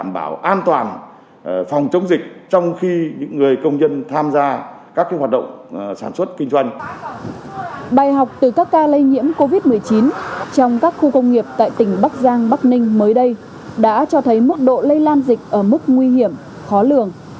bài học từ các ca lây nhiễm covid một mươi chín trong các khu công nghiệp tại tỉnh bắc giang bắc ninh mới đây đã cho thấy mức độ lây lan dịch ở mức nguy hiểm khó lường